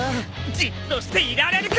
じっとしていられるか！